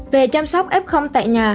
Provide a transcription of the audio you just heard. về chăm sóc f tại nhà